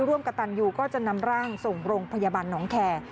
ร่วมกับตันยูก็จะนำร่างส่งโรงพยาบาลหนองแคร์